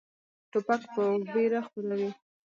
توپک ویره خپروي.